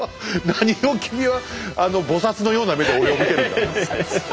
何を君は菩のような目で俺を見てるんだ！